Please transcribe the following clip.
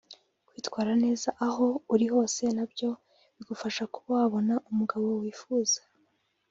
Kwitwara neza aho uri hose na byo bigufasha kuba wabona umugabo wifuza